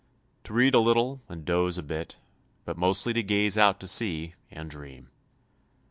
To read a little and doze a bit, but mostly to gaze out to sea and dream.